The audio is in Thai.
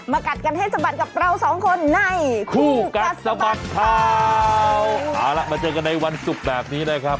กัดกันให้สะบัดกับเราสองคนในคู่กัดสะบัดข่าวเอาละมาเจอกันในวันศุกร์แบบนี้นะครับ